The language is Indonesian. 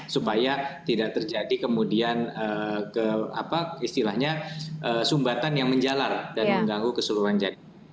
supaya tidak terjadi kemudian ke apa istilahnya sumbatan yang menjalar dan mengganggu keseluruhan jalan